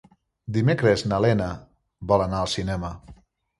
Dimecres na Lena vol anar al cinema.